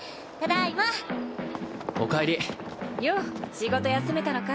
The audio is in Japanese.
仕事休めたのか？